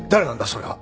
それは。